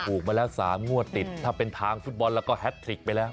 ถูกมาแล้ว๓งวดติดถ้าเป็นทางฟุตบอลแล้วก็แฮทริกไปแล้ว